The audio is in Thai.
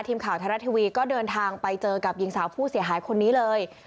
ทีมข่าวไทยรัฐทีวีก็เดินทางไปเจอกับหญิงสาวผู้เสียหายคนนี้เลย